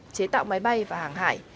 chế tạo máy bay và hàng hải